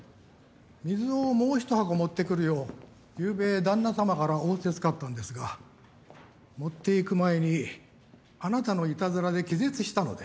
水をもうひと箱持って来るようゆうべ旦那様から仰せ付かったんですが持って行く前にあなたのいたずらで気絶したので。